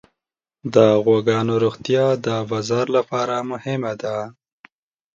د غواګانو روغتیا د بازار لپاره مهمه ده.